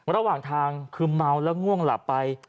ระหว่างทางคือเมาแล้วง่วงหลับไป